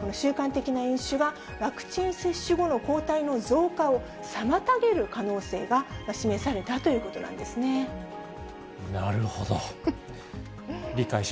この習慣的な飲酒は、ワクチン接種後の抗体の増加を妨げる可能性が示されたということなるほど。